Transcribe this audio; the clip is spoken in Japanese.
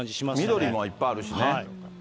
緑もいっぱいあるしね。